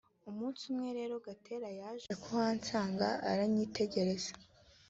Umunsi umwe rero Gatera yaje kuhansanga aranyitegereza